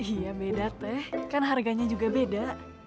iya beda teh kan harganya juga beda